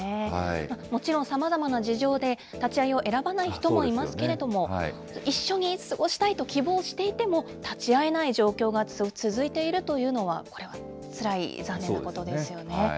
もちろんさまざまな事情で立ち会いを選ばない人もいますけれども、一緒に過ごしたいと希望していても、立ち会えない状況が続いているというのは、これはつらい、残念なことですよね。